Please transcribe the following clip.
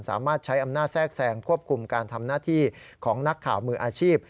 สามารถใช้อำนาจแทรกแซงควบคุมการทำหน้าที่ของนักข่าวมืออาชีพ